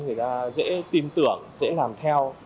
người ta dễ tin tưởng dễ làm theo